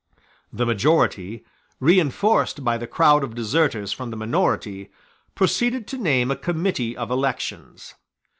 The majority, reinforced by the crowd of deserters from the minority, proceeded to name a Committee of Elections.